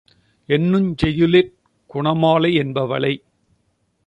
என்னுஞ் செய்யுளிற் Gunamalai யென்பவளைக்